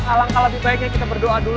alangkah lebih baiknya kita berdoa dulu